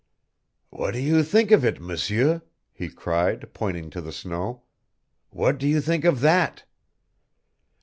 "What do you think of it, M'seur?" he cried, pointing to the snow. "What do you think of that?"